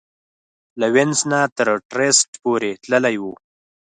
له وینس نه تر ترېسټ پورې تللې وه.